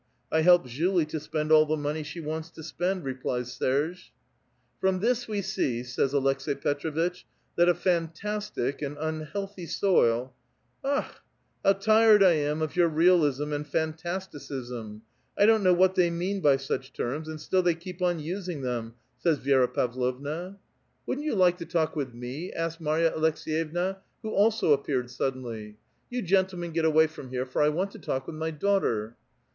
I help Julie to spend all the nioney she wants to spend," replies Serge. " From this we see," says Aleks^i Peti'6vitch, " that a fantastic and unliealthv soil —" ^''AJch! how tired I am of vour realism and fantasti cisra ! I don't know what thev mean bv such terms, and ••# still they keep on using them," says Vi^ra Pavlovna. A VITAL QUESTION. 167 " Wouldn't you like to talk with me ?" asks Marya Aleks6 yevua, who also ai)peared suddenly. " You gentlemen get away from here, lor 1 want to talk with my daughter."